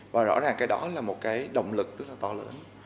và rõ ràng cái đó là một cái động lực rất là to lớn